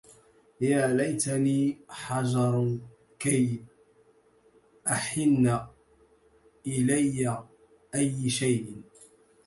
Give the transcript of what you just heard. يا ليتني حجرٌ كي أَحنَّ إلي أيِّ شيء!